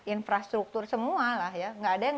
infrastruktur semua lah ya nggak ada yang